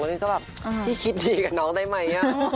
นี่ก็แบบพี่คิดดีกับน้องได้ไหม